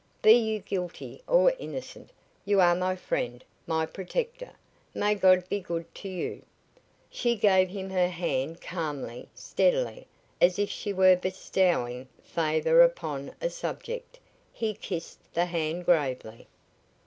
Be you guilty or innocent, you are my friend, my protector. May God be good to you." She gave him her hand calmly, steadily, as if she were bestowing favor upon a subject. He kissed the hand gravely.